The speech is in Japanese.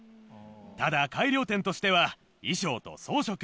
ただ改良点としては衣装と装飾。